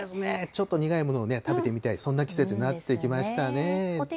ちょっと苦いものを食べてみたい、そんな季節になってきましたね。